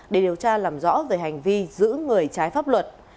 để điều tra làm rõ về hành vi giữ người trái pháp luật